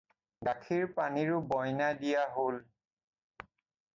গাখীৰ-পানীৰো বয়না দিয়া হ'ল।